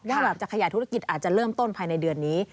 ถ้าแบบจะขยายธุรกิจอาจจะเริ่มต้นภายในเดือนนี้